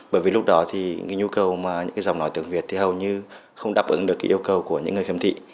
bởi vì lúc đó thì cái nhu cầu mà những cái giọng nói tiếng việt thì hầu như không đáp ứng được cái yêu cầu của những người khiếm thị